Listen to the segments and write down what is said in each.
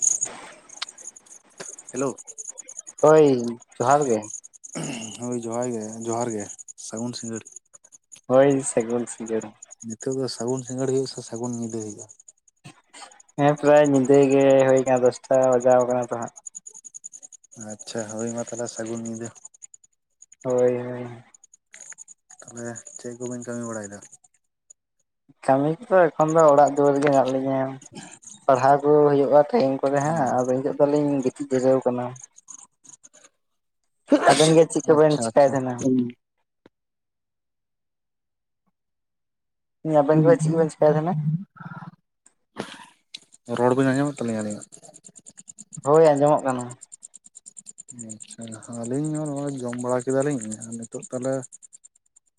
[inaudible] Hello ᱦᱳᱭ ᱡᱚᱦᱟᱨ ᱜᱮ ᱦᱳᱭ ᱡᱚᱦᱟᱨ ᱜᱮ, ᱡᱚᱦᱟᱨ ᱜᱮ, ᱥᱟᱹᱜᱩᱱ ᱥᱤᱸᱜᱟᱹᱲ᱾ ᱦᱳᱭ ᱥᱟᱹᱜᱩᱱ ᱥᱤᱸᱜᱟᱹᱲ᱾ ᱱᱤᱛᱚᱼᱜ ᱫᱚ ᱥᱟᱹᱜᱩᱱ ᱥᱤᱸᱜᱟᱹᱲ ᱜᱮ ᱥᱮ ᱥᱟᱹᱜᱩᱱ ᱧᱤᱫᱟᱹ ᱦᱩᱭᱩᱜᱼᱟ᱾ ᱦᱮᱸ ᱯᱮᱨᱟᱭ ᱧᱤᱫᱟᱹ ᱜᱮ ᱦᱳᱭ ᱠᱟᱱᱟ ᱫᱚᱥᱴᱟ ᱵᱟᱡᱟᱣ ᱠᱟᱱᱟ ᱛᱚ ᱦᱟᱸᱜ᱾ ᱟᱪᱪᱷᱟ ᱦᱳᱭ ᱢᱟ ᱛᱟᱦᱚᱞᱮ ᱥᱟᱹᱜᱩᱱ ᱧᱤᱫᱟᱹ᱾ ᱦᱳᱭ - ᱦᱳᱭ ᱛᱚᱦᱞᱮ ᱪᱮᱫ ᱠᱚᱵᱤᱱ ᱠᱟᱹᱢᱤ ᱵᱟᱲᱟᱭᱮᱫᱟ᱾ ᱠᱟᱹᱢᱤ ᱠᱚ ᱮᱠᱷᱚᱱ ᱫᱚ ᱚᱲᱟᱜ ᱫᱩᱣᱟᱹᱨ ᱨᱮᱜᱮ ᱦᱮᱱᱟᱜ ᱞᱤᱧᱟᱹ᱾ ᱯᱟᱲᱦᱟᱣ ᱠᱚ ᱦᱩᱭᱩᱜᱼᱟ, ᱴᱟᱭᱤᱢ ᱠᱚᱨᱮ ᱦᱟᱸᱜ, ᱟᱫᱚ ᱱᱤᱛᱳᱜ ᱫᱚ ᱞᱤᱧ ᱜᱤᱛᱤᱡ ᱡᱤᱨᱟᱹᱣ ᱠᱟᱱᱟ᱾ [inaudible] ᱟᱵᱮᱱ ᱜᱮ ᱪᱮᱫ ᱟᱪᱪᱷᱟ ᱠᱚᱵᱮᱱ ᱼ ᱪᱮᱠᱟᱭ ᱟᱪᱪᱷᱟ ᱛᱟᱦᱮᱱᱟ ᱟᱵᱮᱱ ᱜᱮ ᱪᱮᱫ ᱦᱩᱸ ᱠᱚᱵᱮᱱ ᱪᱮᱠᱟᱭ ᱛᱟᱦᱮᱱᱟ [unintelligible] ᱨᱚᱲ ᱵᱤᱱ ᱟᱸᱡᱚᱢᱮᱫ ᱛᱟᱹᱞᱤᱧᱟ ᱟᱹᱞᱤᱧᱟᱜ᱾ ᱦᱳᱭ ᱟᱸᱡᱚᱢᱚᱜ ᱠᱟᱱᱟ᱾ ᱟᱪᱪᱷᱟ ᱟᱹᱞᱤᱧ ᱦᱚᱸ ᱱᱚᱜᱼᱚᱭ ᱡᱚᱢ ᱵᱟᱲᱟ ᱠᱮᱫᱟ ᱞᱤᱧ, ᱟᱨ ᱱᱤᱛᱚᱜ ᱛᱟᱦᱚᱞᱮ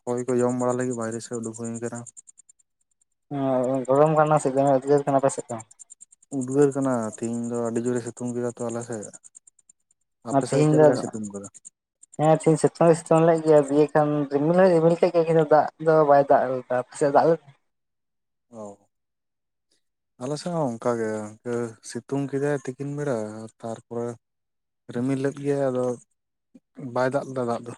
ᱦᱚᱭ ᱠᱚ ᱡᱚᱢ ᱵᱟᱲᱟ ᱞᱟᱹᱜᱤᱫ ᱵᱟᱭᱨᱮ ᱥᱮᱫ ᱩᱰᱩᱠ ᱦᱩᱭ ᱠᱟᱱᱟ᱾ ᱜᱚᱨᱚᱢ ᱠᱟᱱᱟ ᱥᱮ ᱫᱚᱢᱮ ᱩᱫᱽᱜᱟᱹᱨ ᱠᱟᱱᱟ ᱟᱯᱮ ᱥᱮᱫ ᱫᱚ᱾ ᱩᱫᱽᱜᱟᱹᱨ ᱠᱟᱱᱟ ᱛᱤᱦᱤᱧ ᱫᱚ ᱟᱹᱰᱤ ᱡᱳᱨᱮ ᱥᱤᱛᱩᱝ ᱠᱮᱫᱟ ᱛᱚ ᱟᱞᱮ ᱥᱮᱫ᱾ ᱟᱨ ᱟᱯᱮ ᱥᱮᱫ ᱛᱮᱦᱤᱧ ᱪᱮᱫ ᱫᱚ ᱞᱮᱠᱟᱭ ᱥᱤᱛᱩᱝ ᱠᱟᱫᱟ ᱦᱮᱸ ᱛᱤᱦᱤᱧ ᱥᱤᱛᱩᱝ ᱦᱚᱸᱭ ᱥᱤᱛᱩᱝ ᱞᱮᱫ ᱜᱮᱭᱟ, ᱫᱤᱭᱮ ᱠᱷᱟᱱ ᱨᱤᱢᱤᱞ ᱦᱚᱭ ᱨᱤᱢᱤᱞ ᱠᱮᱫ ᱜᱮᱭᱟ, ᱠᱤᱱᱛᱩ ᱫᱟᱜ ᱫᱚ ᱵᱟᱭ ᱫᱟᱜ ᱞᱮ ᱟᱯᱮ ᱥᱮᱫ ᱫᱟᱜᱼᱼ ᱚ [unintelligible] ᱟᱞᱮ ᱥᱮᱫ ᱦᱚᱸ ᱚᱱᱠᱟ ᱜᱮ ᱱᱚᱛᱮ ᱥᱤᱛᱩᱝ ᱠᱮᱫᱟᱭ ᱛᱤᱠᱤᱱ ᱵᱮᱲᱟ ᱛᱟᱨᱯᱚᱨᱮ ᱨᱤᱢᱤᱞ ᱞᱮᱫ ᱜᱮᱭᱟᱼᱭ ᱟᱫᱚ ᱵᱟᱭ ᱫᱟᱜ ᱞᱮᱫᱟ ᱫᱟᱜ ᱫᱚ᱾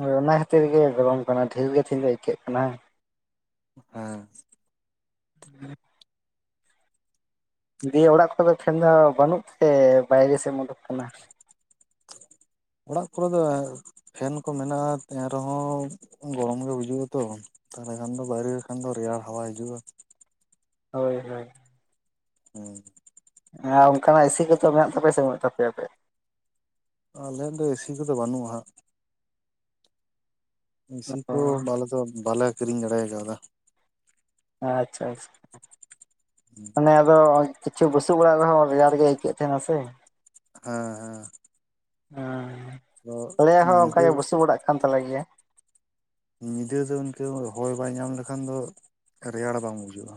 ᱦᱳᱭ ᱚᱱᱟ ᱠᱷᱟᱹᱛᱤᱨ ᱜᱮ ᱜᱚᱨᱚᱢ ᱠᱟᱱᱟ, ᱰᱷᱮᱨ ᱜᱮ ᱛᱤᱦᱤᱧ ᱫᱚ ᱟᱹᱭᱠᱟᱹᱜ ᱠᱟᱱᱟ᱾ [unintelligible] ᱦᱮᱸ [inaudible] ᱫᱤᱭᱮ ᱚᱲᱟᱜ ᱠᱚᱨᱮ ᱫᱚ ᱯᱷᱮᱱ ᱫᱚ ᱵᱟᱹᱱᱩᱜ ᱛᱮ, ᱵᱟᱭᱨᱮ ᱥᱮᱫ ᱮᱢ ᱩᱰᱩᱠ ᱠᱟᱱᱟ᱾ ᱚᱲᱟᱜ ᱠᱚᱨᱮ ᱫᱚ᱾ ᱯᱷᱮᱱ ᱠᱚ ᱢᱮᱱᱟᱜᱼᱟ, ᱮᱱ ᱨᱮᱦᱚᱸ ᱜᱚᱨᱚᱢ ᱜᱮ ᱵᱩᱡᱩᱜ ᱟᱛᱚ᱾ ᱛᱟᱦᱚᱞᱮ ᱠᱷᱟᱱ ᱫᱚ, ᱵᱟᱭᱨᱮ ᱨᱮ ᱠᱷᱟᱱ ᱫᱚ ᱨᱮᱭᱟᱲ ᱦᱟᱣᱟ ᱦᱤᱡᱩᱜᱼᱟ᱾ ᱦᱳᱭ-ᱦᱳᱭ ᱦᱮᱸ [unintelligible] ᱟᱸ ᱚᱱᱠᱟᱱᱟᱜ ᱮᱥᱤ ᱠᱚ ᱫᱚ ᱢᱮᱱᱟᱜ ᱛᱟᱯᱮᱭᱼᱟ, ᱥᱮ ᱵᱟᱹᱱᱩᱜ ᱛᱟᱯᱮᱭᱟ᱾ ᱟᱞᱮᱭᱟᱼᱜ ᱫᱚ ᱮᱥᱤ ᱠᱚᱫᱚ ᱵᱟᱹᱱᱩᱜᱼᱟ ᱦᱟᱸᱜ᱾ ᱮᱥᱤ ᱚ ᱠᱚ ᱟᱞᱮ ᱫᱚ ᱵᱟᱞᱮ ᱠᱤᱨᱤᱧ ᱫᱟᱲᱮ ᱠᱟᱣᱟᱫᱟ᱾ ᱟᱪᱪᱷᱟ ᱼ ᱟᱪᱪᱷᱟ ᱦᱮᱸ ᱢᱟᱱᱮ ᱟᱫᱚ ᱠᱤᱪᱷᱩ ᱵᱩᱥᱩᱵ ᱚᱲᱟᱜ ᱨᱮᱦᱚᱸ, ᱨᱮᱭᱟᱲ ᱜᱮ ᱟᱹᱭᱠᱟᱹᱜ ᱛᱟᱦᱮᱱᱟ ᱥᱮ᱾ ᱦᱟᱸ ᱼ ᱦᱟᱸ ᱦᱟᱸ ᱟᱞᱮᱭᱟᱼᱜ ᱦᱚᱸ ᱚᱱᱠᱟ ᱧᱤᱫᱟᱹ ᱜᱮ ᱵᱩᱥᱩᱵ ᱚᱲᱟᱜ ᱠᱟᱱ ᱛᱟᱞᱮ ᱜᱮᱭᱟ᱾ ᱧᱤᱫᱟᱹ ᱫᱚ ᱤᱱᱠᱟᱹ ᱦᱚᱭ ᱵᱟᱭ ᱧᱟᱢ ᱞᱮᱠᱷᱟᱱ ᱫᱚ, ᱨᱮᱭᱟᱲ ᱵᱟᱝ ᱵᱩᱡᱷᱟᱹᱣᱼᱟ᱾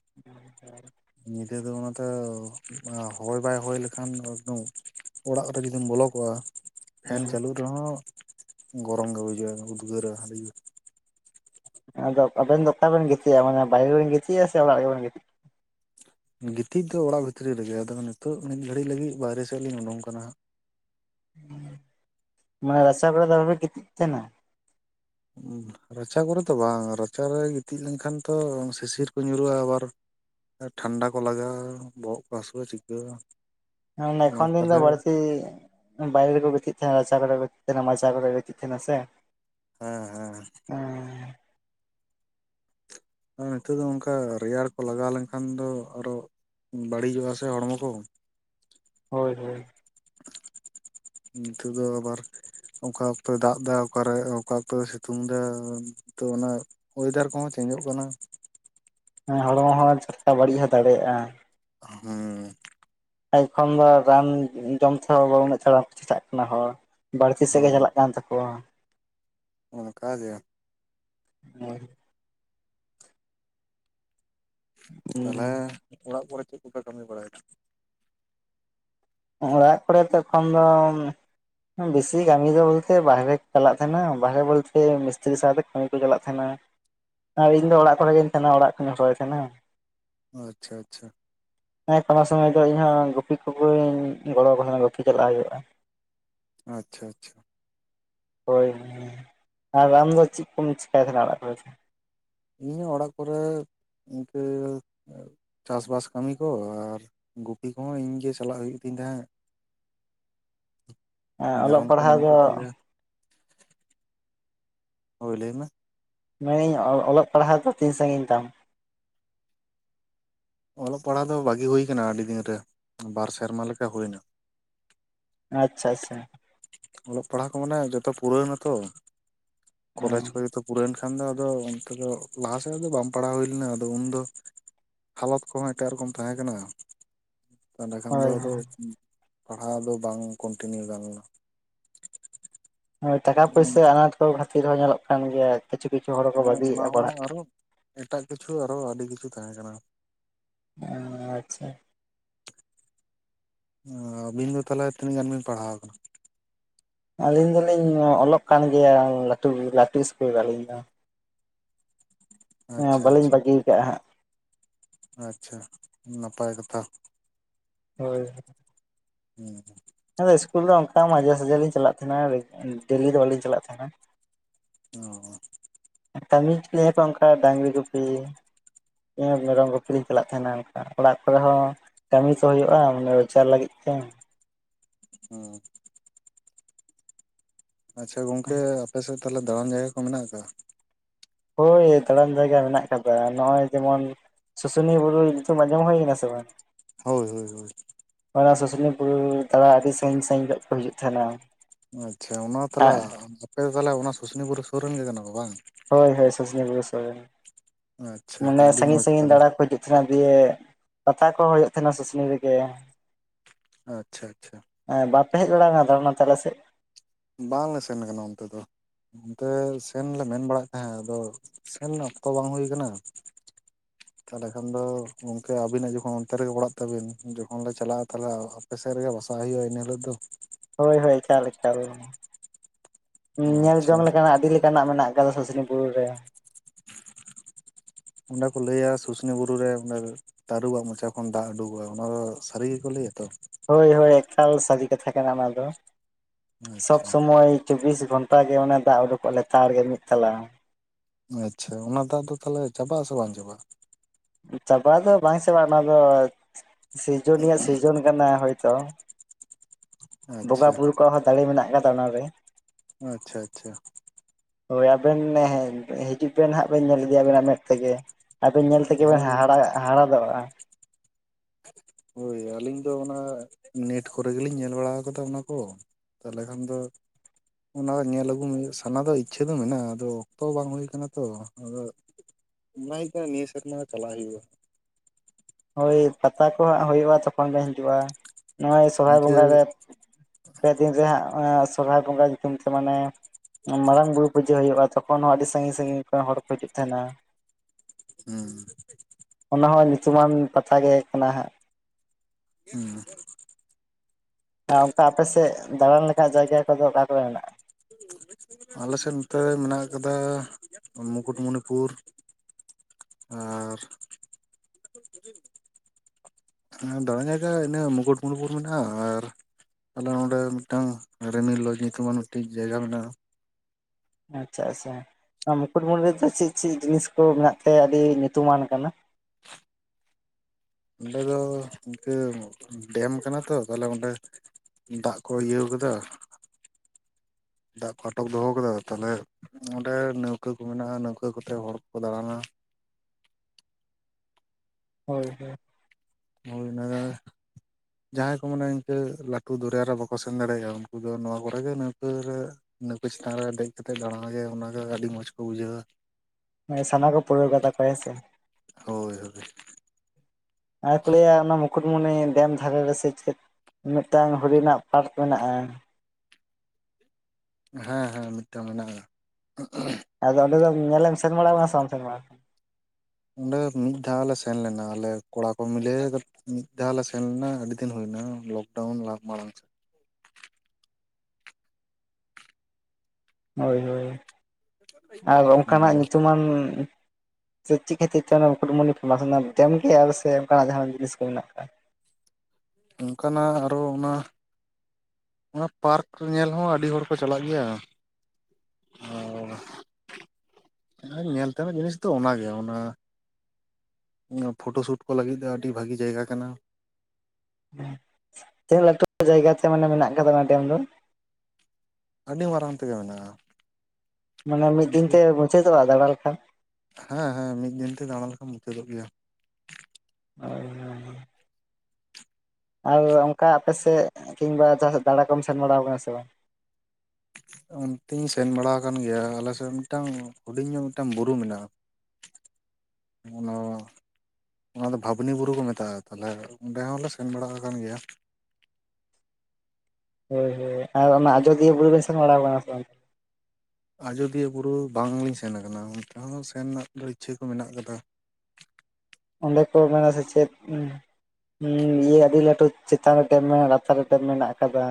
[inaudible] ᱧᱤᱫᱟᱹ ᱫᱚ ᱚᱱᱟ ᱛᱮ, ᱦᱚᱭ ᱵᱟᱭ ᱦᱚᱭ ᱞᱮᱠᱷᱟᱱ ᱮᱠᱫᱚᱢ ᱚᱲᱟᱜ ᱠᱚᱨᱮ, ᱡᱩᱫᱤᱢ ᱵᱚᱞᱚ ᱠᱚᱜᱼᱟ ᱾ ᱯᱷᱮᱱ ᱦᱩᱸ ᱪᱟᱹᱞᱩᱜ ᱨᱮᱦᱚᱸ, ᱜᱚᱨᱚᱢ ᱜᱮ ᱵᱩᱡᱷᱟᱹᱜᱼᱟ ᱾ ᱩᱫᱽᱜᱟᱹᱨᱟ ᱟᱹᱰᱤ ᱡᱩᱨ, ᱾ ᱟᱫᱚ ᱟᱵᱮᱱ ᱫᱚ, ᱚᱠᱟ ᱨᱮᱵᱮᱱ ᱜᱤᱛᱤᱡᱼᱟ? ᱢᱟᱱᱮ ᱵᱟᱭᱨᱮ ᱨᱮᱵᱮᱱ ᱜᱤᱛᱤᱡᱼᱟ, ᱥᱮ ᱚᱲᱟᱜ ᱨᱮᱵᱮᱱ ᱜᱤᱛᱤᱡᱼᱟ? ᱜᱤᱛᱤᱡ ᱫᱚ, ᱚᱲᱟᱜ ᱵᱷᱤᱛᱨᱤ ᱨᱮᱜᱮ, ᱟᱫᱚ ᱱᱤᱛᱚᱜ, ᱢᱤᱫ ᱜᱷᱟᱹᱲᱤᱡ ᱞᱟᱹᱜᱤᱫ, ᱵᱟᱦᱨᱮ ᱥᱮᱫ ᱞᱤᱧ ᱩᱰᱩᱝ ᱟᱠᱟᱱᱟ ᱾ ᱦᱟᱸᱟᱜ ᱢᱟᱱᱮ, ᱨᱟᱪᱟ ᱠᱚᱨᱮ ᱫᱚ [unintelligible] ᱵᱟᱵᱤᱱ ᱜᱤᱛᱤᱡ ᱠᱟᱱᱟ ᱾ ᱨᱟᱪᱟ ᱠᱚᱨᱮ ᱫᱚ ᱵᱟᱝ, ᱨᱟᱪᱟ ᱨᱮ ᱜᱤᱛᱤᱡ ᱞᱮᱱᱠᱷᱟᱱ ᱛᱚ, ᱥᱤᱥᱤᱨ ᱠᱚ ᱧᱩᱨᱩᱜᱼᱟ ᱾ ᱟᱵᱟᱨ- ᱴᱷᱟᱱᱰᱟ ᱠᱚ ᱞᱟᱜᱟᱜᱼᱟ ᱾ ᱵᱚᱦᱚᱜ ᱠᱚ ᱦᱟᱹᱥᱩᱜᱼᱟ ᱾ ᱪᱤᱠᱟᱜᱼᱟ? ᱦᱮ ᱮᱠᱷᱚᱱ ᱫᱤᱱ [unintelligible] ᱫᱚ ᱵᱟᱹᱲᱛᱤ ᱵᱟᱭᱨᱮ ᱨᱮᱠᱚ ᱜᱤᱛᱤᱡ ᱠᱟᱱᱟ, ᱨᱟᱪᱟ ᱠᱚᱨᱮ ᱠᱚ, ᱜᱤᱛᱤᱡ ᱠᱟᱱᱟ, ᱢᱟᱪᱟ ᱠᱚᱨᱮ ᱠᱚ, ᱜᱟᱛᱤᱡ ᱠᱟᱱᱟ ᱥᱮ? ᱦᱮᱸᱻ, ᱦᱮᱸ, ᱾ ᱦᱮᱸᱻ, ᱦᱚᱸ, ᱱᱤᱛᱚᱜ ᱫᱚ ᱚᱱᱠᱟ ᱨᱮᱭᱟᱲ ᱠᱚ, ᱞᱟᱜᱟᱣ ᱞᱮᱱᱠᱷᱟᱱ ᱫᱚ, ᱟᱨᱚ ᱵᱟᱹᱲᱤᱡᱚᱜᱼᱟ ᱥᱮ? ᱦᱚᱲᱢᱚ ᱠᱚ ᱾ ᱦᱳᱭ, ᱦᱳᱭ ᱾ ᱠᱤᱻᱪᱤ-ᱠᱤᱼᱪᱤ-ᱠᱤᱼᱪᱤ ᱠᱤᱼᱪᱤ-ᱠᱤᱼᱪᱤ-ᱠᱤ-ᱪᱤᱻᱻᱻᱻᱻ [unintelligible] ᱱᱤᱛᱚᱜ ᱫᱚ ᱟᱵᱟᱨ [unintelligible] ᱚᱠᱟ ᱚᱠᱛᱚᱭ ᱫᱟᱜ ᱮᱫᱟ, ᱚᱠᱟᱨᱮ? ᱚᱠᱟ ᱚᱠᱛᱚᱭ ᱥᱤᱛᱩᱝ ᱮᱫᱟ ᱛᱚ, ᱚᱱᱟ, ᱳᱭᱮᱫᱟᱨ ᱠᱚᱦᱚᱸ ᱪᱮᱧᱡᱚᱜ ᱠᱟᱱᱟ ᱾ ᱦᱮᱸ, ᱦᱚᱲᱢᱚ ᱦᱚᱸ ᱥᱚᱠᱛᱚ, ᱵᱟᱹᱲᱤᱡ ᱦᱚᱸ ᱫᱟᱲᱮᱭᱟᱜᱼᱟ ᱾ ᱦᱩᱸᱻ᱾ ᱮᱱᱠᱷᱚᱱ ᱫᱚ ᱨᱟᱱ ᱡᱚᱢ [unintelligible] ᱩᱱᱟᱹᱜ [unintelligible] ᱠᱟᱱᱟ ᱦᱚᱲ ᱾ ᱵᱟᱹᱲᱛᱤ ᱥᱮᱫ ᱜᱮ, ᱦᱳᱭ ᱪᱟᱞᱟᱜ ᱠᱟᱱ ᱛᱟᱠᱚᱣᱟ ᱾ ᱚᱱᱠᱟ ᱜᱮ ᱾ ᱦᱳᱭ ᱾ ᱛᱟᱦᱚᱞᱮ, ᱚᱲᱟᱜ ᱠᱚᱨᱮ ᱪᱮᱫ? ᱠᱚᱯᱮ ᱠᱟᱹᱢᱤ ᱵᱟᱲᱟᱭᱮᱫᱟ ᱾ ᱚᱲᱟᱜ ᱠᱚᱨᱮ, ᱛᱚᱠᱷᱚᱱ ᱫᱚᱢ ᱵᱮᱥᱤ ᱠᱟᱹᱢᱤ ᱫᱚ ᱵᱚᱞᱛᱮ, ᱵᱟᱦᱟᱨᱮ ᱠᱚ ᱪᱟᱞᱟᱜ ᱛᱟᱦᱮᱱᱟ, ᱵᱟᱦᱟᱨᱮ ᱵᱚᱞᱛᱮ ᱢᱤᱥᱛᱨᱤ ᱥᱟᱶᱛᱮ, ᱠᱟᱹᱢᱤ ᱠᱚ ᱪᱟᱞᱟᱜ ᱛᱟᱦᱮᱱᱟ ᱾ ᱟᱨ ᱤᱧ ᱫᱚ, ᱚᱲᱟᱜ ᱠᱚᱨᱮ ᱜᱤᱧ ᱛᱟᱦᱮᱱᱟ ᱾ ᱚᱲᱟᱜ ᱠᱩᱧ ᱦᱚᱨᱚᱭ ᱠᱟᱱᱟ ᱾ ᱳᱼ, ᱟᱪᱪᱷᱟ, ᱟᱪᱪᱷᱟ ᱾ ᱮᱸ ᱥᱚᱢᱚᱭ-ᱥᱚᱢᱚᱭ ᱫᱚ, ᱤᱧᱦᱚᱸ ᱜᱩᱯᱤ ᱠᱚᱜᱮᱧ ᱜᱚᱲᱚ ᱣᱟᱠᱚᱣᱟ ᱜᱩᱯᱤ ᱪᱟᱞᱟᱜ ᱦᱩᱭᱩᱜᱼᱟ ᱾ ᱟᱪᱪᱷᱟ ᱟᱪᱪᱷᱟ ᱾ ᱦᱳᱭ, ᱟᱨ ᱟᱢ ᱫᱚ ᱪᱤᱫ? ᱠᱚᱢ ᱪᱤᱠᱟᱭ ᱛᱟᱦᱚᱞᱮ, ᱚᱲᱟᱜ ᱠᱚᱨᱮ ᱾ ᱤᱧᱦᱚ, ᱸ ᱚᱲᱟᱜ ᱠᱚᱨᱮ ᱤᱱᱠᱟᱹ ᱪᱟᱥᱵᱟᱥ ᱠᱟᱹᱢᱤ ᱠᱚ, ᱟᱨ ᱜᱩᱯᱤ ᱠᱚᱦᱚᱸ, ᱤᱧ ᱜᱮ ᱪᱟᱞᱟᱜ ᱦᱩᱭᱩᱜ, ᱛᱤᱧ ᱛᱟᱦᱮᱸᱫ ᱾ ᱚᱞᱚᱜ ᱢᱮᱨᱚᱢ ᱠᱚ, ᱯᱟᱲᱦᱟᱣ ᱢᱮᱱᱟᱜ ᱠᱚ ᱫᱚ ᱛᱟᱞᱮᱭᱟ ᱾ ᱦᱳᱭ, ᱞᱟᱹᱭ ᱢᱮ ᱾ ᱢᱮᱱᱤᱧ, ᱚᱼᱚᱞᱚᱜ ᱯᱟᱲᱦᱟᱣ ᱫᱚ ᱛᱤᱱ ᱥᱟᱺᱜᱤᱧ ᱛᱟᱢ? ᱚᱞᱚᱜ ᱯᱟᱲᱦᱟᱜ ᱫᱚ, ᱵᱟᱜᱤ ᱦᱩᱭ ᱟᱠᱟᱱᱟ, ᱟᱹᱰᱤ ᱫᱤᱱ ᱨᱮ, ᱵᱟᱨ ᱥᱮᱨᱢᱟ ᱞᱮᱠᱟ ᱦᱩᱭ ᱮᱱᱟ ᱾ ᱟᱪᱪᱷᱟ, ᱟᱪᱪᱷᱟ ᱾ ᱚᱞᱚᱜ ᱯᱟᱲᱦᱟᱣ ᱠᱚ, ᱢᱟᱱᱮ ᱡᱚᱛᱚ ᱯᱩᱨᱟᱹᱣ ᱮᱱᱟᱛᱚ, ᱠᱚᱞᱮᱡᱽ ᱦᱩᱸ ᱠᱚ ᱡᱚᱛᱚ ᱯᱩᱨᱟᱹᱣᱮᱱ ᱠᱷᱟᱱ ᱠᱷᱟᱱ ᱫᱚ, ᱟᱫᱚ ᱚᱱᱛᱮ ᱫᱚ ᱞᱟᱦᱟ ᱥᱮᱫ ᱫᱚ, ᱵᱟᱝ ᱯᱟᱲᱦᱟᱣ ᱦᱩᱭ ᱞᱮᱱᱟ ᱾ ᱟᱫᱚ ᱩᱱᱫᱚ, ᱦᱟᱞᱚᱛ ᱠᱚᱦᱚ, ᱸ ᱮᱴᱟᱜ ᱨᱚᱠᱚᱢ ᱛᱟᱦᱮᱸ ᱠᱟᱱᱟ ᱾ ᱮᱱᱰᱮ ᱠᱷᱟᱱ ᱫᱚ, ᱦᱳᱭ ᱟᱫᱚ ᱯᱟᱲᱦᱟᱣ ᱫᱚ, ᱵᱟᱝ ᱠᱚᱱᱴᱤᱱᱤᱭᱩ ᱜᱟᱱ ᱞᱮᱱᱟ ᱾ ᱦᱳᱭ, ᱴᱟᱠᱟ ᱯᱩᱭᱥᱟ ᱟᱱᱟᱴ ᱠᱚ, ᱠᱷᱟᱹᱛᱤᱨ ᱦᱚᱸ, ᱧᱮᱞᱚᱜ ᱠᱟᱱ ᱜᱮᱭᱟ, ᱠᱤᱪᱷᱩ ᱠᱤᱪᱷᱩ ᱦᱚᱲ ᱠᱚ, ᱦᱮᱸ ᱚᱱᱟ ᱵᱟᱹᱜᱤᱭᱮᱫᱼᱟ ᱦᱚᱸ ᱯᱟᱲᱦᱟᱜ ᱾ ᱟᱨᱚ ᱮᱴᱟᱜ ᱠᱤᱪᱷᱩ, ᱟᱨ ᱦᱚᱸ ᱟᱹᱰᱤ ᱠᱤᱪᱷᱩ ᱛᱟᱦᱮᱸ ᱠᱟᱱᱟ ᱾ ᱟᱻᱪᱪᱷᱟ ᱾ ᱚᱻᱟᱵᱤᱱ ᱫᱚ, ᱛᱟᱦᱚᱞᱮ ᱛᱤᱱᱟᱹᱜ? ᱜᱟᱱ ᱵᱤᱱ ᱯᱟᱲᱦᱟᱣ ᱟᱠᱟᱱᱟ ᱾ ᱟᱹᱞᱤᱧ, ᱫᱚᱞᱤᱧ ᱚᱞᱚᱜ ᱠᱟᱱ ᱜᱮᱭᱟ, ᱞᱟᱹᱴᱩ, ᱞᱟᱹᱴᱩ ᱤᱥᱠᱩᱞ ᱨᱮ ᱟᱹᱞᱤᱧ ᱫᱚ ᱾ ᱟᱸ ᱟᱪᱪᱷᱟ ᱵᱟᱹᱞᱤᱧ ᱟᱪᱪᱷᱟ ᱵᱟᱹᱜᱤ ᱟᱠᱟᱜᱼᱟ ᱦᱟᱸᱜ ᱾ ᱟᱪᱪᱷᱟ, ᱱᱟᱯᱟᱭ ᱠᱟᱛᱷᱟ ᱾ ᱦᱳᱭ ᱾ ᱦᱩᱸ᱾ ᱟᱸᱫᱚ ᱤᱥᱠᱩᱞ ᱫᱚ ᱚᱱᱠᱟ ᱢᱟᱡᱷᱮ ᱥᱟᱡᱷᱮ ᱞᱤᱧ ᱪᱟᱞᱟᱜ ᱛᱟᱦᱮᱱᱟ, ᱰᱮᱞᱤ ᱫᱚ ᱵᱟᱞᱤᱧ ᱪᱟᱞᱟᱜ ᱛᱟᱦᱮᱱᱟ᱾ ᱚᱻ᱾ ᱠᱟᱹᱢᱤ ᱦᱚᱪᱚ ᱞᱤᱭᱟ ᱠᱚ ᱚᱱᱠᱟ ᱰᱟᱝᱨᱤ ᱜᱩᱯᱤ᱾ ᱟᱞᱤᱧᱦᱚᱸ ᱢᱮᱨᱚᱢ ᱜᱩᱯᱤᱧ ᱪᱟᱞᱟᱜ ᱛᱟᱦᱮᱱᱟ ᱚᱱᱠᱟ ᱚᱲᱟᱜ ᱠᱚᱨᱮ ᱦᱚᱸ᱾ ᱠᱟᱹᱢᱤ ᱛᱚ ᱦᱩᱭᱩᱜᱼᱟ, ᱢᱟᱱᱮ ᱨᱚᱡᱽᱠᱟᱨ ᱞᱟᱹᱜᱤᱫ ᱛᱮ᱾ ᱦᱩᱸ᱾ ᱟᱪᱪᱷᱟ ᱜᱚᱢᱠᱮ ᱟᱯᱮᱥᱮᱫ ᱛᱟᱦᱚᱞᱮ ᱫᱟᱬᱟᱱ ᱡᱟᱭᱜᱟ ᱠᱚ ᱢᱮᱱᱟᱜ ᱟᱠᱟᱜᱼᱟ? ᱦᱳᱭ ᱫᱟᱬᱟᱱ ᱡᱟᱭᱜᱟ ᱢᱮᱱᱟᱜ ᱟᱠᱟᱫᱟ᱾ ᱱᱚᱜᱼᱚᱭ ᱡᱮᱢᱚᱱ ᱥᱩᱥᱩᱱᱤᱭᱟ ᱵᱩᱨᱩ ᱧᱩᱛᱩᱢ ᱟᱸᱡᱚᱢ ᱦᱩᱭᱠᱟᱱᱟ ᱥᱮ ᱵᱟᱝ? ᱦᱳᱭ ᱦᱳᱭ ᱦᱳᱭ᱾ ᱚᱱᱟ ᱥᱩᱥᱩᱱᱤ ᱵᱩᱨᱩ ᱫᱟᱲᱟ ᱟᱹᱰᱤ ᱥᱟᱺᱜᱤᱧ ᱥᱟᱺᱟᱹᱜᱤᱧ ᱠᱷᱚᱡ ᱠᱚ ᱦᱤᱡᱩᱜ ᱛᱟᱦᱮᱱᱟ᱾ ᱟᱪᱪᱷᱟ, ᱚᱱᱟ ᱛᱟᱦᱚᱞᱮ ᱟᱜ ᱟᱯᱮ ᱫᱚ ᱛᱟᱦᱚᱞᱮ ᱚᱱᱟ ᱥᱩᱥᱩᱱᱤ ᱵᱩᱨᱩ ᱥᱩᱨ ᱨᱮᱱ ᱜᱮ ᱠᱟᱱᱟ ᱯᱮ, ᱵᱟᱝ? ᱦᱳᱭ ᱦᱳᱭ ᱥᱩᱥᱱᱤ ᱵᱩᱨᱩ ᱥᱳᱨ ᱨᱮᱱ, ᱟᱪᱪᱷᱟ ᱢᱟᱱᱮ ᱟᱹᱰᱤ ᱥᱟᱺᱜᱤᱧ ᱢᱚᱸᱡᱽ ᱥᱟᱺᱜᱤᱧ ᱛᱟᱦᱚᱞᱮ ᱫᱟᱬᱟ ᱠᱚ ᱦᱤᱡᱩᱜ [unintelligible] ᱫᱤᱭᱮ, ᱯᱟᱛᱟ ᱠᱚ ᱦᱩᱭᱩᱜ ᱛᱟᱦᱮᱱᱟ ᱥᱩᱥᱩᱱᱤ ᱨᱮᱜᱮ᱾ ᱟᱪᱪᱷᱟ ᱟᱪᱪᱷᱟ᱾ ᱮᱸ ᱵᱟᱯᱮ ᱦᱮᱡ ᱵᱟᱲᱟ ᱠᱟᱱᱟ, [unintelligible] ᱟᱞᱮ ᱥᱮᱡ? ᱵᱟᱝᱞᱮ ᱥᱮᱱ ᱠᱟᱱᱟ, ᱚᱱᱛᱮ ᱫᱚ᱾ ᱚᱱᱛᱮ ᱥᱮᱱᱞᱮ ᱢᱮᱱ ᱵᱟᱲᱟᱭᱮᱫ ᱛᱟᱦᱮᱸ ᱟᱫᱚ, ᱥᱮᱱ ᱨᱮᱱᱟ ᱚᱠᱛᱚ ᱵᱟᱝ ᱦᱩᱭ ᱠᱟᱱᱟ᱾ ᱛᱟᱦᱞᱮ ᱠᱷᱟᱱ ᱫᱚ, ᱜᱚᱝᱠᱮ ᱟᱹᱵᱤᱱᱟᱜ ᱡᱚᱠᱷᱚᱱ ᱚᱱᱛᱮ ᱨᱮᱜᱮ ᱚᱲᱟᱜ ᱛᱟᱹᱵᱤᱱ ᱡᱚᱠᱷᱚᱱ ᱞᱮ ᱪᱟᱞᱟᱜᱼᱟ, ᱛᱟᱦᱞᱮ ᱟᱯᱮ ᱥᱮᱫ ᱨᱮᱜᱮ ᱵᱟᱥᱟᱜ ᱦᱩᱭᱩᱜᱼᱟ ᱮᱱ ᱦᱤᱞᱳᱜ ᱫᱚ᱾ ᱦᱳᱭ ᱦᱳᱭ ᱮᱠᱟᱞ ᱮᱠᱟᱞ, ᱧᱮᱞ ᱟᱪᱪᱷᱟ ᱡᱚᱝ ᱞᱮᱠᱟᱱᱟᱜ ᱟᱹᱰᱤ ᱞᱮᱠ ᱞᱮᱠᱟᱱᱟᱜ ᱢᱮᱱᱟᱜ ᱟᱠᱟᱫᱟ ᱥᱩᱥᱱᱤ ᱵᱩᱨᱩ ᱨᱮ᱾ ᱚᱸᱰᱮ ᱠᱚ ᱞᱟᱹᱭᱟ ᱥᱩᱥᱱᱤ ᱵᱩᱨᱩ ᱨᱮ ᱛᱟᱹᱨᱩᱵᱼᱟᱜ ᱢᱚᱪᱟ ᱠᱷᱚᱱ ᱫᱟᱜ ᱩᱸᱰᱩ ᱜᱚᱼᱟ, ᱚᱱᱟ ᱫᱚ ᱥᱟᱹᱨᱤ ᱜᱮᱠᱚ ᱞᱟᱹᱭᱼᱟ ᱛᱚ? ᱦᱳᱭ ᱦᱳᱭ ᱮᱠᱟᱞ ᱥᱟᱨᱤ ᱠᱟᱛᱷᱟ ᱠᱟᱱᱟ ᱚᱱᱟ ᱫᱚ, ᱥᱚᱵᱽ ᱟᱪᱪᱷᱟ ᱥᱚᱢᱚᱭ ᱪᱩᱵᱽᱵᱤᱥ ᱜᱷᱚᱱᱴᱟ ᱜᱮ ᱚᱱᱟ ᱫᱟᱜ ᱩᱸᱰᱩᱼᱚᱜ ᱞᱮᱛᱟᱲ ᱜᱮ ᱢᱤᱫ ᱛᱟᱞᱟ᱾ ᱟᱪᱪᱷᱟ, ᱚᱱᱟ ᱫᱟᱜ ᱫᱚ ᱛᱟᱦᱞᱮ ᱪᱟᱵᱟᱜ ᱟᱥᱮ, ᱵᱟᱝ ᱪᱟᱵᱟᱜᱼᱟ? ᱪᱟᱵᱟ ᱫᱚ ᱵᱟᱝ ᱪᱟᱵᱟᱜᱼᱟ ᱚᱱᱟ ᱫᱚ, ᱥᱤᱨᱡᱚᱱᱤᱭᱼᱟᱜ ᱥᱤᱨᱡᱚᱱ ᱠᱟᱱᱟ ᱦᱚᱭᱛᱚ᱾ ᱵᱚᱸᱜᱟ ᱟᱪᱪᱷᱟ ᱵᱩᱨᱩ ᱠᱚᱣᱟᱜ ᱦᱚᱸ ᱫᱟᱲᱮ ᱢᱮᱱᱟᱜ ᱠᱟᱫᱟ, ᱚᱱᱟᱨᱮ᱾ ᱟᱪᱪᱷᱟ ᱟᱪᱪᱷᱟ᱾ ᱦᱳᱭ ᱟᱵᱮᱱ ᱱᱮᱦ, ᱦᱤᱡᱩᱜ ᱵᱮᱱ ᱦᱟᱸᱜ ᱵᱮᱱ ᱧᱮᱞ ᱤᱫᱤᱭᱟ ᱟᱵᱮᱱᱼᱟᱜ ᱢᱮᱫ ᱛᱮᱜᱮ᱾ ᱟᱵᱮᱱ ᱧᱮᱞ ᱛᱮᱜᱮ ᱵᱮᱱ ᱦᱳᱭ ᱦᱟᱦᱟᱲᱟ, ᱦᱟᱦᱟᱲᱟ ᱫᱚᱜᱼᱟ᱾ [inaudible] ᱦᱳᱭ, ᱟᱞᱤᱧ ᱫᱚ ᱚᱱᱟ ᱱᱮᱴ ᱠᱚᱨᱮ ᱜᱮᱞᱤᱧ ᱧᱮᱞ ᱵᱟᱲᱟᱣ ᱠᱟᱫᱟ, ᱚᱱᱟ ᱠᱚ᱾ ᱛᱟᱦᱞᱮ ᱠᱷᱟᱱ ᱫᱚ ᱚᱱᱟ ᱧᱮᱞ ᱟᱹᱜᱩ ᱥᱟᱱᱟ ᱫᱚ ᱤᱪᱪᱷᱟᱹ ᱫᱚ ᱢᱮᱱᱟᱜᱼᱟ, ᱟᱫᱚ ᱚᱠᱛᱚ ᱵᱟᱝ ᱦᱩᱭ ᱠᱟᱱᱟ ᱛᱚ᱾ ᱟᱫᱚ ᱢᱚᱱᱮ ᱦᱩᱭᱩᱜ ᱠᱟᱱᱟ, ᱱᱤᱭᱟᱹ ᱥᱮᱨᱢᱟ ᱪᱟᱞᱟᱜ ᱦᱩᱭᱩᱜᱼᱟ᱾ ᱦᱳᱭ ᱯᱟᱛᱟ ᱠᱚ ᱦᱟᱸᱜ ᱦᱳᱭᱳᱜᱼᱟ ᱛᱚᱠᱷᱚᱱ ᱵᱮᱱ ᱦᱤᱡᱩᱜᱼᱟ᱾ ᱱᱚᱼᱚᱭ ᱥᱚᱨᱦᱟᱭ ᱤᱱᱠᱟᱹ ᱵᱚᱸᱜᱟ ᱨᱮ ᱯᱮ ᱫᱤᱱ ᱨᱮ ᱦᱟᱸᱜ ᱥᱚᱨᱦᱟᱭ ᱵᱚᱸᱜᱟ ᱧᱩᱛᱩᱢ ᱛᱮ, ᱢᱟᱱᱮ ᱢᱟᱨᱟᱝ ᱵᱩᱨᱩ ᱯᱩᱡᱟᱹ ᱦᱩᱭᱩᱜᱼᱟ, ᱛᱚᱠᱷ ᱛᱚᱠᱷᱟᱱ ᱦᱚᱸ ᱟᱹᱰᱤ ᱥᱟᱺᱜᱤᱧ ᱥᱟᱺᱜᱤᱧ ᱠᱷᱚᱱ ᱦᱚᱲ ᱠᱚ ᱦᱤᱡᱩᱜ ᱛᱟᱦᱮᱱᱟ᱾ ᱦᱩᱸ᱾ ᱚᱱᱟ ᱦᱚᱸ ᱧᱩᱛᱩᱢᱟᱱ ᱯᱟᱛᱟ ᱜᱮ ᱠᱟᱱᱟ ᱦᱟᱸᱜ᱾ ᱦᱩᱸ᱾ ᱟᱨ ᱚᱝᱠᱟ ᱟᱯᱮ ᱥᱮᱫ, ᱫᱟᱬᱟᱱ ᱞᱮᱠᱟ ᱡᱟᱭᱜᱟ ᱠᱚᱫᱚ ᱚᱠᱟ ᱠᱚᱨᱮ ᱢᱮᱱᱟᱜᱼᱟ? ᱟᱞᱮ ᱥᱮᱫ ᱱᱚᱛᱮ ᱢᱮᱱᱟᱜ ᱠᱟᱫᱟ, ᱢᱩᱠᱩᱴᱢᱩᱱᱤᱯᱩᱨ᱾ ᱟᱨᱻ [inaudible] ᱦᱮᱸ ᱫᱟᱬᱟᱱ ᱡᱟᱭᱜᱟ ᱤᱱᱟᱹ ᱢᱩᱠᱩᱴᱢᱩᱱᱤᱯᱩᱨ ᱢᱮᱱᱟᱜᱼᱟ, ᱟᱨ ᱟᱞᱮ ᱚᱸᱰᱮ ᱢᱤᱫᱴᱟᱝ ᱨᱤᱢᱤᱞ ᱞᱚᱡᱽ ᱧᱩᱛᱩᱢᱟᱱ ᱢᱤᱫᱴᱤᱡ ᱡᱟᱭᱜᱟ ᱢᱮᱱᱟᱜᱼᱟ᱾ ᱦᱮᱸ ᱟᱪᱪᱷᱟ ᱟᱪᱪᱷᱟ ᱱᱚᱣᱟ ᱢᱩᱠᱩᱴ ᱵᱚᱞ ᱨᱮ ᱪᱮᱫ ᱪᱤᱜ ᱪᱤᱜ ᱡᱤᱱᱤᱥ ᱠᱚ ᱢᱮᱱᱟᱜ ᱛᱟᱭᱟ ᱟᱹᱰᱤ ᱧᱩᱛᱩᱢᱟᱱ ᱠᱟᱱᱟ? ᱚᱸᱰᱮ ᱫᱚ ᱤᱱᱠᱟᱹᱻᱢ ᱰᱮᱢ ᱠᱟᱱᱟ ᱛᱚ ᱛᱟᱦᱚᱞᱮ ᱚᱸᱰᱮ ᱫᱟᱜ ᱠᱚ ᱤᱭᱟᱹᱣᱟᱠᱟᱫᱟ, ᱫᱟᱜ ᱠᱚ ᱟᱴᱚᱠ ᱫᱚᱦᱚ ᱣᱟᱠᱟᱫᱟ, ᱛᱟᱦᱮᱞᱮ ᱚᱸᱰᱮ ᱱᱟᱹᱣᱠᱟᱹᱠᱩ ᱢᱮᱱᱟᱜ-ᱟ, ᱱᱟᱹᱣᱠᱟᱹ ᱠᱚᱛᱮ ᱦᱚᱲ ᱠᱚᱠᱚ ᱫᱟᱬᱟᱱᱟ᱾ ᱦᱳᱭ ᱦᱳᱭ᱾ ᱦᱳᱭ ᱤᱱᱟᱹ [unintelligible] ᱡᱟᱦᱟᱸᱭ ᱠᱚ ᱢᱟᱱᱮ ᱤᱧᱯᱮ ᱞᱟᱹᱴᱩ ᱫᱚᱨᱭᱟ ᱨᱮ ᱵᱟᱠᱚ ᱥᱮᱱ ᱫᱟᱲᱮᱭᱟᱜ ᱩᱱᱠᱩ ᱫᱚ ᱱᱚᱣᱟ ᱠᱚᱨᱮ ᱜᱮ ᱱᱟᱹᱣᱠᱟᱹ ᱨᱮ, ᱤᱱᱟᱹ ᱠᱚ ᱪᱮᱛᱟᱱ ᱨᱮ ᱫᱮᱡ ᱠᱟᱛᱮᱜ ᱫᱟᱬᱟ ᱜᱮ ᱚᱱᱟᱜᱮ ᱟᱹᱰᱤ ᱢᱚᱸᱡᱽ ᱠᱚ ᱵᱩᱡᱷᱟᱹᱣᱟ᱾ ᱦᱮᱸ ᱥᱟᱱᱟ ᱠᱚ ᱯᱩᱨᱟᱹᱣ ᱠᱟᱜ ᱛᱟᱠᱚᱣᱟᱭ ᱦᱮᱸ ᱥᱮ᱾ ᱦᱳᱭ [inaudible] ᱟᱨ ᱠᱚ ᱞᱟᱹᱭᱟ ᱚᱱᱟ ᱢᱩᱠᱩᱴ ᱢᱩᱱᱤ ᱰᱮᱢ ᱡᱷᱟᱨᱮ ᱨᱮ ᱥᱮ ᱪᱮᱫ? ᱢᱮᱫᱴᱟᱝ ᱦᱩᱨᱤᱱᱟᱜ ᱯᱟᱨᱠ ᱢᱮᱱᱟᱜ-ᱟ᱾ ᱦᱮᱸ ᱦᱮᱸ ᱢᱤᱫᱴᱟᱹᱝ ᱢᱮᱱᱟᱜᱼᱟ᱾ ᱟᱫᱚ ᱚᱸᱰᱮ ᱫᱚᱢ ᱧᱮᱞᱮᱢ ᱥᱮᱱ ᱵᱟᱲᱟᱣ ᱠᱟᱱᱟ ᱥᱮ ᱵᱟᱢ ᱥᱮᱱ ᱵᱟᱲᱟ ᱠᱟᱱ- ᱚᱸᱰᱮ ᱢᱤᱫ ᱫᱷᱟᱣ ᱞᱮ ᱥᱮᱱ ᱞᱮᱱᱟ ᱟᱞᱮ ᱠᱚᱲᱟ ᱠᱚ ᱢᱤᱞᱟᱹᱣ ᱠᱟ ᱢᱤᱫ ᱫᱷᱟᱣ ᱞᱮ ᱥᱮᱱ ᱞᱮᱱᱟ ᱟᱹᱰᱤ ᱫᱤᱱ ᱦᱩᱭᱮᱱᱟ ᱞᱚᱠ ᱰᱟᱹᱣᱩᱱ ᱱᱟᱜ ᱢᱟᱲᱟᱝ ᱾ ᱦᱳᱭ ᱦᱳᱭ ᱦᱚᱭ ᱟᱨ ᱦᱩᱸ ᱚᱱᱠᱟᱱᱟᱜ ᱧᱩᱛᱩᱢᱟᱱ ᱥᱮ ᱪᱮᱫ ᱠᱷᱟᱹᱛᱤᱨ ᱛᱮ ᱟᱢ ᱠᱩᱴᱢᱩᱱᱤᱠ ᱯᱷᱮᱢᱟᱥ ᱚᱱᱟ, ᱡᱚᱢ ᱠᱮᱜᱼᱟ ᱠᱚ ᱥᱮ ᱚᱱᱠᱟᱱᱟᱜ ᱡᱟᱦᱟᱸᱱ ᱡᱤᱱᱤᱥ ᱠᱚ ᱢᱮᱱᱟᱜ ᱟᱠᱟᱜ-ᱟ? ᱚᱝᱠᱟᱱᱟᱜ ᱟᱨᱚ ᱚᱱᱟ ᱚᱱᱟ ᱯᱟᱨᱠ ᱧᱮᱞ ᱦᱚᱸ ᱟᱹᱰᱤ ᱦᱚᱲ ᱠᱚ ᱪᱟᱞᱟᱜ ᱜᱮᱭᱟ? ᱦᱮᱸ! [inaudible] ᱧᱮᱞ ᱛᱮᱱᱚᱜ ᱡᱤᱱᱤᱥ ᱫᱚ ᱚᱱᱟᱜᱮ, ᱢᱟᱱᱮ ᱚᱱᱮ ᱯᱷᱳᱴᱳ ᱥᱩᱴ ᱠᱚ ᱞᱟᱹᱜᱤᱫ ᱫᱚ ᱟᱹᱰᱤ ᱵᱷᱟᱹᱜᱤ ᱡᱟᱭᱜᱟ ᱠᱟᱱᱟ᱾ ᱪᱮᱫ ᱟᱹᱛᱩ ᱡᱟᱭᱜᱟ ᱛᱮ ᱢᱟᱱᱮ ᱢᱮᱱᱟᱜ ᱟᱠᱟᱫᱟ ᱚᱱᱟ ᱛᱟᱢ ᱫᱚ? ᱟᱹᱰᱤ ᱢᱟᱨᱟᱝ ᱛᱮᱜᱮ ᱢᱮᱱᱟᱜ-ᱟ᱾ ᱢᱟᱱᱮ ᱢᱤᱫ ᱫᱤᱱ ᱛᱮ ᱢᱩᱪᱟ ᱪᱟᱵᱟᱜᱼᱟ, ᱫᱟᱬᱟ ᱞᱮᱠᱷᱟᱡ? ᱦᱮᱸ ᱦᱮᱸ ᱢᱤᱫ ᱫᱤᱱ ᱛᱮ ᱫᱟᱬᱟ ᱞᱮᱠᱷᱟᱱ ᱢᱩᱪᱟᱹᱫᱚᱜ ᱜᱮᱭᱟ᱾ ᱦᱳᱭ ᱦᱳᱭ ᱦᱚᱭ ᱾ ᱟᱹᱣ ᱭᱟ ᱚᱱᱠᱟ ᱟᱯᱮ ᱥᱮᱜ ᱠᱤᱝ ᱵᱟ ᱟᱪᱟ ᱥᱮᱜ ᱫᱟᱬᱟ ᱠᱚᱢ ᱥᱮᱱ ᱵᱟᱲᱟᱣᱟᱠᱟᱱᱟ ᱥᱮ ᱵᱟᱝ? ᱚᱱᱛᱤᱧ ᱥᱮᱱ ᱵᱟᱲᱟ ᱟᱠᱟᱱ ᱜᱮᱭᱟ ᱟᱞᱮᱥᱮᱫ ᱢᱤᱫᱴᱟᱝ ᱦᱩᱰᱤᱧ ᱧᱚᱜ ᱢᱤᱫᱴᱟᱝ ᱵᱩᱨᱩ ᱢᱮᱱᱟᱜ-ᱟ, [inaudible] ᱚᱱᱟ ᱚᱱᱟ ᱫᱚ ᱵᱷᱟᱵᱽᱱᱤ ᱵᱩᱨᱩ ᱠᱚ ᱢᱮᱛᱟᱜ-ᱟ, ᱛᱟᱦᱮᱞᱮ ᱚᱸᱰᱮ ᱦᱚᱸᱞᱮ ᱥᱮᱱ ᱵᱟᱲᱟ ᱦᱟᱠᱟᱱ ᱜᱮᱭᱟ᱾ ᱦᱳᱭ ᱦᱳᱭ ᱟᱨ ᱚᱱᱟ ᱟᱡᱚᱫᱤᱭᱟᱹ ᱵᱩᱨᱩ ᱥᱤᱸᱜᱟᱲᱟ ᱵᱚᱸᱜᱟ ᱥᱮ ᱚᱱᱛᱮ ᱟᱡᱚᱫᱤᱭᱟᱹ ᱵᱩᱨᱩ ᱵᱟᱝ ᱞᱤᱧ ᱥᱮᱱ ᱟᱠᱟᱱᱟ, ᱚᱱᱛᱮ ᱦᱚᱸ ᱥᱮᱱ ᱱᱟᱜ ᱫᱚ ᱤᱪᱪᱷᱟᱹ ᱠᱚ ᱢᱮᱱᱟᱜ ᱜᱮᱫᱚ, ᱚᱸᱰᱮ ᱠᱚ ᱢᱮᱱᱟ ᱥᱮ ᱪᱮᱫ ᱩᱸ ᱦᱩᱸ ᱤᱭᱟᱹ ᱟᱹᱰᱤ ᱞᱟᱹᱴᱩ ᱪᱮᱛᱟᱱ ᱨᱮ ᱰᱮᱢ ᱢᱮᱱᱟᱜ-ᱟ, ᱞᱟᱛᱟᱨ ᱨᱮ ᱰᱮᱢ ᱢᱮᱱᱟᱜ ᱟᱠᱟᱫᱟ᱾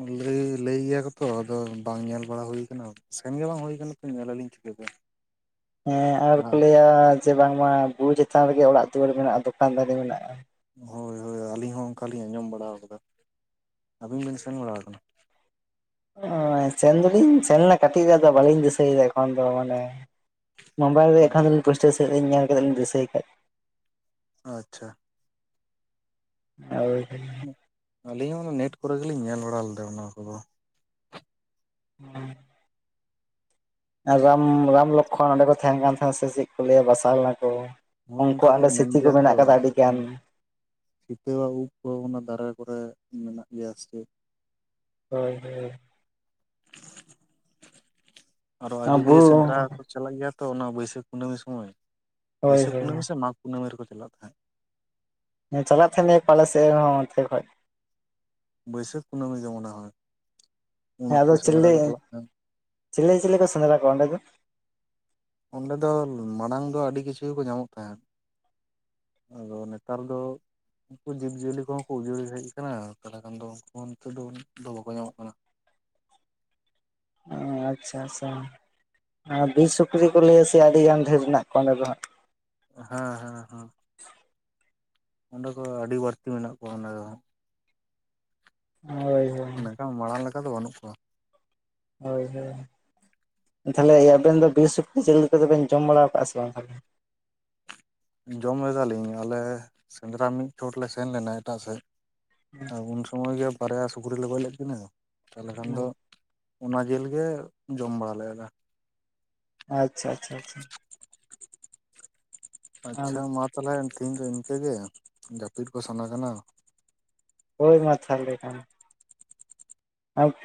ᱩᱸᱻᱞᱟᱹᱭ, ᱞᱟᱹᱭ ᱜᱮᱭᱟ ᱠᱚᱛᱚ ᱟᱫᱚ ᱵᱟᱝ ᱧᱮᱞ ᱵᱟᱲᱟ ᱦᱩᱭ ᱠᱟᱱᱟ, ᱥᱮᱱᱜᱮ ᱵᱟᱝ ᱦᱩᱭ ᱟᱠᱟᱱᱟ, ᱛᱚ ᱧᱮᱞᱟᱞᱤᱧ ᱪᱤᱠᱟᱹᱛᱮ? [inaudible] ᱦᱮᱸ ᱟᱨ ᱠᱚ ᱞᱟᱹᱭᱟ ᱡᱮ ᱵᱟᱝᱢᱟ ᱵᱩᱨᱩ ᱪᱮᱛᱟᱱ ᱨᱮᱜᱮ ᱚᱲᱟᱜ ᱫᱩᱣᱟᱹᱨ ᱢᱮᱱᱟᱜ-ᱟ, ᱫᱚᱠᱟᱱ ᱫᱟᱹᱨᱤ ᱢᱮᱱᱟᱜ-ᱟ? ᱦᱳᱭ ᱦᱳᱭ ᱟᱹᱞᱤᱧ ᱦᱚᱸ ᱚᱸᱠᱟᱞᱤᱧ ᱟᱸᱡᱚᱢ ᱵᱟᱲᱟᱣᱟᱠᱟᱫᱟ, ᱟᱹᱵᱤᱱ ᱵᱤᱱ ᱥᱮᱱ ᱵᱟᱲᱟ ᱦᱟᱠᱟᱱᱟ? ᱚᱸᱭ ᱥᱮᱱ ᱫᱚᱞᱤᱧ ᱥᱮᱱ ᱞᱮᱱᱟ, ᱠᱟᱹᱴᱤᱡ ᱨᱮ ᱟᱫᱚ ᱵᱟᱹᱞᱤᱧ ᱫᱤᱥᱟᱹᱭᱮᱫᱟ ᱮᱠᱷᱚᱱ ᱫᱚ, ᱢᱟᱱᱮ ᱢᱳᱵᱟᱭᱤᱞ ᱨᱮᱭᱟᱜ ᱠᱷᱟᱱ ᱫᱚᱞᱤᱧ ᱯᱩᱥᱴᱟᱹᱣ ᱥᱟᱹᱦᱤᱡ ᱧᱟᱢ ᱠᱟᱛᱮᱜ ᱞᱤᱧ ᱫᱤᱥᱟᱹᱭ ᱠᱷᱟᱡ? ᱟᱪᱪᱷᱟ! ᱦᱚᱭ ᱦᱚᱭ᱾ ᱩᱸᱠ ᱟᱹᱞᱤᱧ ᱦᱚᱸ ᱚᱱᱟ ᱱᱮᱴ ᱠᱚᱨᱮ ᱜᱮᱞᱤᱧ ᱧᱮᱞ ᱵᱟᱲᱟ ᱞᱮᱫᱟ ᱚᱱᱟ ᱠᱚᱫᱚ᱾ ᱦᱮᱸ! ᱨᱟᱢ, ᱨᱟᱢ ᱞᱳᱠᱷᱚᱬ ᱚᱸᱰᱮ ᱠᱚ ᱛᱟᱦᱮᱸᱱ ᱠᱟᱱ, ᱛᱟᱦᱮᱸ ᱥᱮ ᱪᱮᱫ ᱠᱚ ᱞᱟᱹᱭᱟ, ᱵᱟᱥᱟ ᱞᱮᱱᱟ ᱠᱚ? ᱦᱳᱭ ᱚᱱᱠᱟ ᱩᱱᱠᱩᱣᱟᱜ ᱚᱸᱰᱮ ᱢᱮᱱ ᱥᱤᱪᱛᱤ ᱠᱚ ᱜᱮᱭᱟ ᱢᱮᱱᱟᱜ ᱛᱚ ᱟᱠᱟᱫᱟ ᱟᱹᱰᱤᱜᱟᱱ᱾ ᱥᱤᱛᱟᱹᱣᱟᱜ ᱩᱵ ᱠᱚ ᱚᱱᱟ ᱫᱟᱨᱮ ᱠᱚᱨᱮ ᱢᱮᱱᱟᱜ ᱜᱮᱭᱟ ᱥᱮ? ᱦᱳᱭ ᱦᱳᱭ ᱾ ᱟᱨᱚ ᱟᱵᱚ ᱟᱡᱚᱫᱤᱭᱟᱹ ᱥᱮᱸᱫᱽᱨᱟ ᱠᱚ ᱪᱟᱞᱟᱜ ᱜᱮᱭᱟ ᱛᱚ, ᱚᱱᱟ ᱵᱟᱹᱭᱥᱟᱹᱠᱷ ᱠᱩᱱᱟᱹᱢᱤ ᱥᱚᱢᱚᱭ? ᱦᱳᱭ ᱵᱟᱹᱭᱥᱟᱹᱠᱷ ᱦᱳᱭ ᱠᱩᱱᱟᱹᱢᱤ ᱥᱮ ᱢᱟᱜᱽ? ᱠᱩᱱᱟᱹᱢᱤ ᱨᱮᱠᱚ ᱪᱟᱞᱟᱜ ᱛᱟᱦᱮᱸᱫ ᱦᱮᱸ ᱪᱟᱞᱟᱜ ᱛᱟᱦᱟᱱᱮ ᱯᱟᱞᱮ ᱥᱮᱫᱦᱚᱸ ᱚᱱᱛᱮ ᱠᱷᱚᱡ ᱵᱟᱹᱭᱥᱟᱹᱠᱷ ᱠᱩᱱᱟᱹᱢᱤ ᱜᱮ ᱢᱚᱱᱮ ᱦᱚᱭ᱾ ᱩᱱ ᱦᱮᱸ ᱟᱫᱚ ᱚᱠᱛᱚ ᱥᱮᱸᱫᱽᱨᱟ ᱪᱮᱞᱮ ᱠᱚ ᱪᱟᱞᱟᱜ ᱛᱟᱦᱮᱸᱫ ᱪᱤᱞᱤ ᱪᱤᱞᱤ ᱠᱚ ᱥᱮᱸᱫᱽᱨᱟ ᱠᱚᱣᱟ ᱚᱸᱰᱮ ᱫᱚ? ᱚᱸᱰᱮ ᱫᱚ ᱢᱟᱲᱟᱝ ᱫᱚ ᱟᱹᱰᱤ ᱠᱤᱪᱷᱩ ᱜᱮᱠᱚ ᱧᱟᱢᱚᱜ ᱛᱟᱦᱮᱸᱫ᱾ ᱟᱫᱚ ᱱᱮᱛᱟᱨ ᱫᱚ ᱩᱱᱠᱩ ᱡᱤᱵᱽᱡᱤᱭᱟᱹᱞᱤ ᱠᱚᱦᱚᱸ ᱠᱚ ᱩᱡᱟᱹᱲ ᱦᱮᱡᱽ ᱠᱟᱱᱟ ᱛᱟᱞᱦᱮ ᱠᱷᱟᱱ ᱫᱚ ᱩᱱᱠᱩ ᱦᱚᱸ ᱱᱤᱛᱚᱜ ᱫᱚ ᱵᱟᱠᱚ ᱧᱟᱢᱚᱜ ᱠᱟᱱᱟ᱾ ᱚ ᱟᱪᱪᱷᱟ ᱟᱪᱪᱷᱟ ᱟᱨ ᱵᱤᱨ ᱥᱩᱠᱨᱤ ᱠᱚ ᱞᱟᱹᱭᱟ ᱥᱮᱭ ᱟᱰᱤᱜᱟᱱ ᱜᱷᱮᱨ ᱢᱮᱱᱟᱜ ᱠᱚᱣᱟ ᱚᱸᱰᱮ ᱫᱚ ᱦᱟᱸᱜ ᱦᱟᱸ ᱦᱟᱸ ᱦᱟᱸᱱ ᱚᱸᱰᱮ ᱠᱚ ᱟᱹᱰᱤ ᱵᱟᱹᱲᱛᱤ ᱢᱮᱱᱟᱜ ᱠᱚᱣᱟ ᱚᱱᱮᱫᱚ ᱦᱳᱭ ᱦᱳᱭ ᱢᱮᱱᱠᱷᱟᱱ ᱢᱟᱲᱟᱝ ᱞᱮᱠᱟ ᱫᱚ ᱵᱟᱹᱱᱩᱜ ᱠᱚᱣᱟ᱾ ᱦᱳᱭ ᱦᱳᱭ ᱮᱠᱷᱟᱱ ᱞᱟᱭ ᱟᱵᱤᱱ ᱫᱚ ᱵᱤᱨ ᱥᱚᱠᱨᱤ ᱡᱤᱞᱤ ᱠᱚᱫᱚ ᱵᱮᱱ ᱡᱚᱢ ᱵᱟᱲᱟ ᱠᱟᱜ-ᱟ ᱥᱮ ᱵᱟᱝ? ᱡᱚᱢ ᱞᱮᱫᱟᱞᱤᱧ ᱟᱞᱮ ᱥᱮᱸᱫᱽᱨᱟ ᱢᱤᱫ ᱪᱚᱴ ᱞᱮ ᱥᱮᱱ ᱞᱮᱱᱟ ᱮᱴᱟᱜ ᱥᱮᱫ ᱦᱮᱸ ᱟᱨ ᱩᱱ ᱥᱚᱢᱚᱭ ᱜᱮ ᱵᱟᱨᱭᱟ ᱥᱩᱠᱨᱤ ᱞᱮ ᱜᱚᱡᱽ ᱞᱮᱫ ᱠᱤᱱᱟᱹ ᱛᱟᱞᱦᱮ ᱠᱷᱟᱱ ᱦᱮᱸ ᱫᱚ ᱚᱱᱟ ᱡᱤᱞ ᱜᱮ ᱡᱚᱢ ᱵᱟᱲᱟ ᱞᱮᱼᱟ ᱞᱮ᱾ ᱟᱪᱪᱷᱟ ᱟᱪᱪᱷᱟ ᱟᱪᱪᱷᱟ ᱟᱪᱪᱷᱟ ᱢᱟ ᱛᱟᱦᱞᱮ ᱛᱤᱦᱤᱧ ᱫᱚ ᱤᱱᱠᱟᱹᱜᱮ ᱡᱟᱹᱯᱤᱫ ᱠᱚ ᱥᱟᱱᱟ ᱠᱟᱱᱟ᱾ ᱦᱳᱭ ᱢᱟ ᱛᱷᱟᱞᱦᱮ ᱠᱷᱟᱱ᱾ [unintelligible]